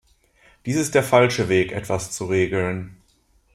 Dies ist der falsche Weg, etwas zu regeln.